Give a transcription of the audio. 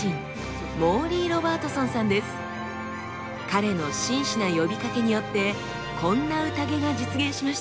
彼の真摯な呼びかけによってこんな宴が実現しました。